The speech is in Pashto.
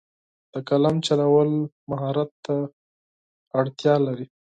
د قلم چلول مهارت ته اړتیا لري.